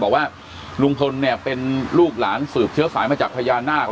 บอกว่าลุงพลเนี่ยเป็นลูกหลานสืบเชื้อสายมาจากพญานาค